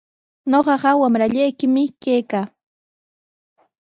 Ñuqaqa wamrallaykimi kaykaa.